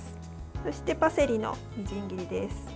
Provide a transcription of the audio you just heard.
そしてパセリのみじん切りです。